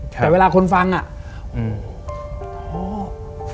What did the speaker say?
แต่เวลาคนฟังอ่ะโอ้ท้อ